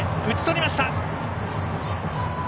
打ち取りました。